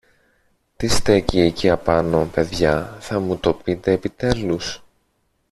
Τι στέκει εκεί απάνω, παιδιά, θα μου το πείτε επιτέλους;